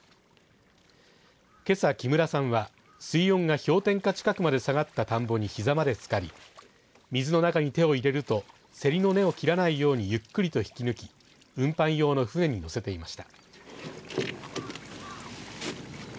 けさ、木村さんは水温が氷点下近くまで下がった田んぼにひざまでつかり水の中に手を入れるとせりの根を切らないようにゆっくりと引き抜き運搬用の舟に載せていました。